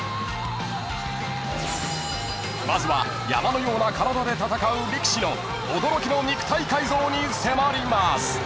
［まずは山のような体で戦う力士の驚きの肉体改造に迫ります］